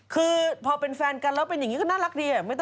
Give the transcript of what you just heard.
คือพอเป็นแฟนกันแล้วเป็นอย่างนี้ก็น่ารักดี